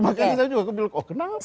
maka saya juga bilang oh kenapa